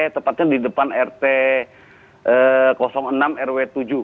tepatnya di depan rt enam rw tujuh